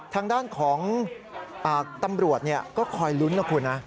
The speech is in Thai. ทางด้านของตำรวจก็คอยลุ้นนะคุณนะ